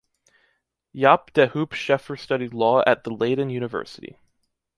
Jaap de Hoop Scheffer studied law at the Leiden university.